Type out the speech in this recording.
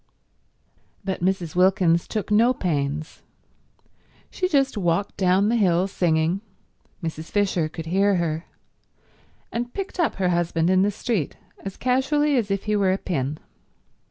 But Mrs. Wilkins took no pains. She just walked down the hill singing—Mrs. Fisher could hear her—and picked up her husband in the street as casually as if he were a pin.